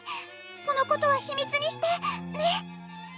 このことは秘密にして！ね！